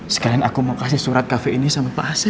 sekarang aku mau kasih surat kafe ini sama pak asep